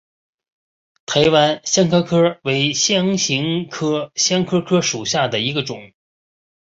台湾香科科为唇形科香科科属下的一个种。